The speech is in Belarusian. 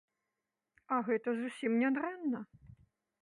А гэта зусім не дрэнна!